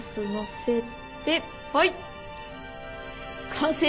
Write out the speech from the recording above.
完成！